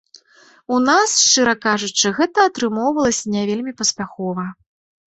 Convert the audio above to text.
У нас, шчыра кажучы, гэта атрымоўвалася не вельмі паспяхова.